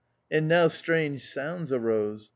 And now strange sounds arose.